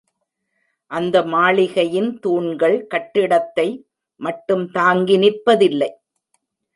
அந்த மாளிகையின் தூண்கள் கட்டிடத்தை மட்டும் தாங்கி நிற்பதில்லை.